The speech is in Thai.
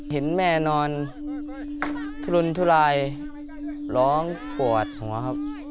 เห็นแม่นอนทุลุนทุลายร้องปวดหัวครับ